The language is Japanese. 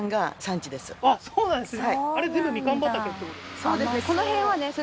あっそうなんですね